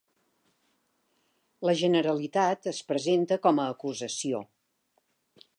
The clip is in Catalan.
La Generalitat es presenta com acusació